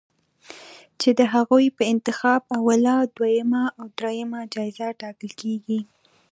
چې د هغوی په انتخاب اوله، دویمه او دریمه جایزه ټاکل کېږي